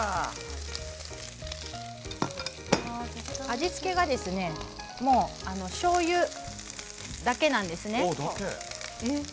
味付けがですねしょうゆだけなんですね。